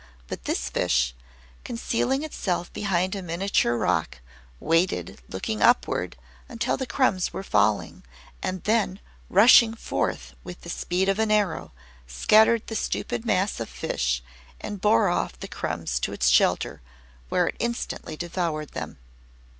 But this fish, concealing itself behind a miniature rock, waited, looking upward, until the crumbs were falling, and then, rushing forth with the speed of an arrow, scattered the stupid mass of fish, and bore off the crumbs to its shelter, where it instantly devoured them.